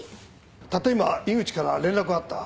たった今井口から連絡があった。